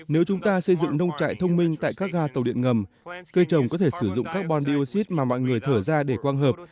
nếu chúng ta xây dựng nông trại thông minh tại các ga tàu điện ngầm cây trồng có thể sử dụng carbon dioxide mà mọi người thở ra để quang hợp